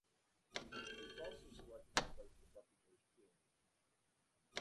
He was also selected to play for the Buccaneers touring team.